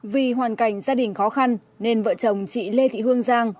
vì hoàn cảnh gia đình khó khăn nên vợ chồng chị lê thị hương giang